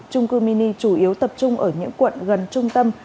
trung cư mini chủ yếu tập trung ở những quận gần trung tâm